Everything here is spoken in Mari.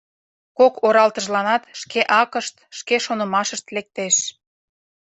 Кок оралтыжланат шке акышт, шке шонымашышт лектеш.